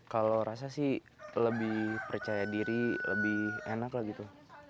kalau rasa sih lebih percaya diri lebih enak lah gitu